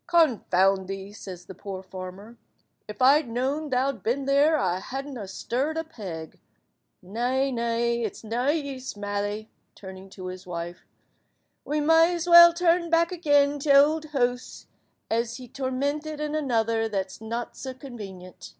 "Confound thee," says the poor farmer, "if I'd known thou'd been there I wadn't ha stirrid a peg. Nay, nay, it's to na use, Mally," turning to his wife, "we may as weel turn back again to t'ould hoose, as be tormented in another that's not sa convenient."